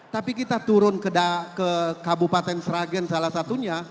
tapi kita turun ke kabupaten sragen salah satunya